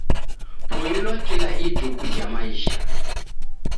Poilwa kila ituku ja maisha.